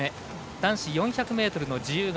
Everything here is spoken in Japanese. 男子４００ｍの自由形。